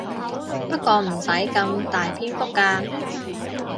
不過唔使咁大篇幅㗎